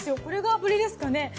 これが炙りですかね。